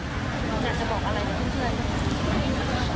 คุณอยากจะบอกอะไรเพื่อน